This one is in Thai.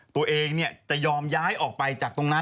ตัวเองจะยอมย้ายออกไปจากตรงนั้น